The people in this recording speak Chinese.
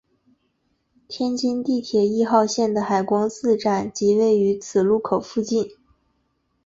天津地铁一号线的海光寺站即位于此路口附近。